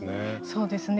そうですね。